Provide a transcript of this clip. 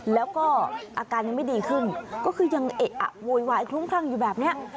แล้วก็อาการยังไม่ดีขึ้นก็คือยังเอะอะโวยวายคลุ้มคลั่งอยู่แบบนี้